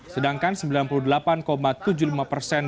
sedangkan sembilan puluh delapan tujuh puluh lima persen